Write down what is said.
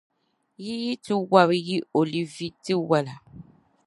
yi yi ti wɔbi yi olivi tiwala.